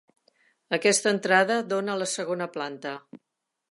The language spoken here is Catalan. Aquesta entrada dóna a la segona planta.